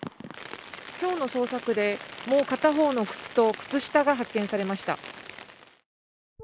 今日の捜索で、もう片方の靴と靴下が発見されました。